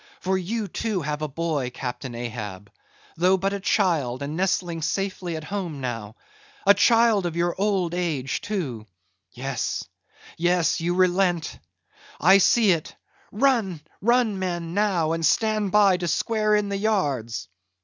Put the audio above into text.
For you too have a boy, Captain Ahab—though but a child, and nestling safely at home now—a child of your old age too—Yes, yes, you relent; I see it—run, run, men, now, and stand by to square in the yards."